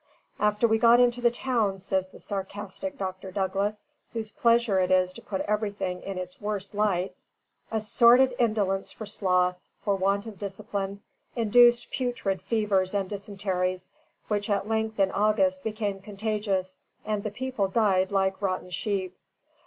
"After we got into the town," says the sarcastic Dr. Douglas, whose pleasure it is to put everything in its worst light, "a sordid indolence or sloth, for want of discipline, induced putrid fevers and dysenteries, which at length in August became contagious, and the people died like rotten sheep."